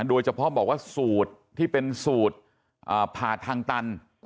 โดยเฉพาะบอกว่าสูตรที่เป็นสูตรผ่าทางตัน